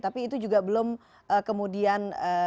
tapi itu juga belum kemudian